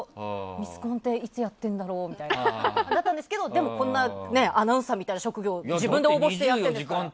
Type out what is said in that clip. ミスコンっていつやってるんだろう？だったんですけどでもこんなアナウンサーみたいな職業に自分で応募してますからね。